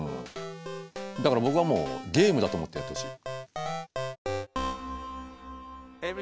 だから僕はもうゲームだと思ってやってほしい。